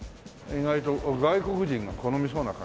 意外と外国人が好みそうな感じだな。